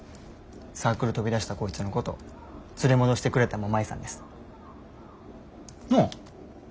サークル飛び出したこいつのこと連れ戻してくれたんも舞さんです。なあ？